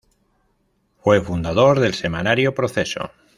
Fue fundador del "Semanario Proceso".